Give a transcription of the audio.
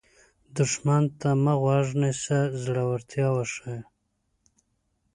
دښمن ته مه غوږ نیسه، زړورتیا وښیه